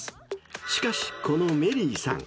［しかしこのメリーさん